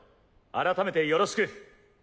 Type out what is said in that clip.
改めてよろしく。